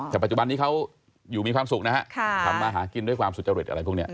แต่ปัจจุบันนี้เขาอยู่มีความสุขนะฮะทำมาหากินด้วยความสุจริตอะไรพวกนี้